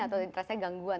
atau internet saya gangguan